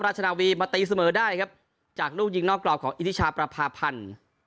นาวีมาตีเสมอได้ครับจากลูกยิงนอกกรอบของอิทิชาประพาพันธ์